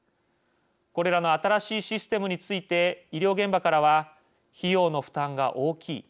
これらの新しいシステムについて医療現場からは「費用の負担が大きい」